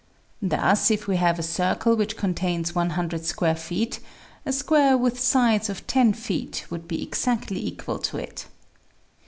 Thus, if we have a circle which contains 100 square feet, a square with sides of 10 feet would be exactly equal to it.